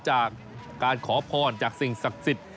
จากการขอพรจากสิ่งศักดิ์สิทธิ์